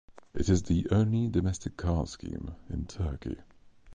It is the only domestic card scheme in Turkey.